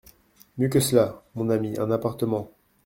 Mieux que cela, mon ami… un appartement.